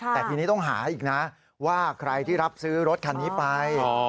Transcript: แต่ทีนี้ต้องหาอีกนะว่าใครที่รับซื้อรถคันนี้ไป